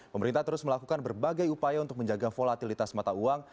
pemerintah terus melakukan berbagai upaya untuk menjaga volatilitas mata uang